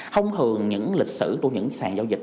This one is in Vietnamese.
không thường những lịch sử của những sàn giao dịch